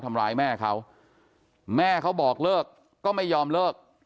ทำร้ายแม่เขาแม่เขาบอกเลิกก็ไม่ยอมเลิก